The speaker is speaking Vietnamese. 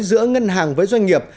giữa ngân hàng với doanh nghiệp